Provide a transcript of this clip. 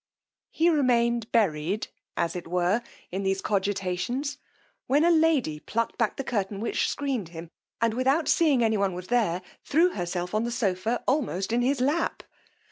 He remained buried, as it were, in these cogitations, when a lady plucked back the curtain which screen'd him, and without seeing any one was there, threw herself on the sopha almost in his lap.